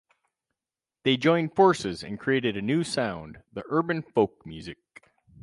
They joined forces and created a new sound, the urban folk music.